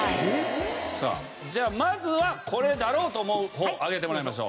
さあじゃあまずはこれだろうと思う方あげてもらいましょう。